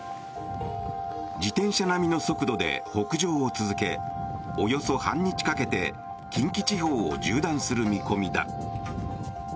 自転車並みの速度で北上を続けおよそ半日かけて近畿地方を縦断する見込みだ。